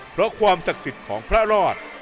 เพราะความศักดิ์สิทธิ์ของพระรอด